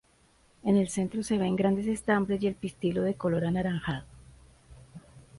En el centro de ven grandes estambres y el pistilo de color anaranjado.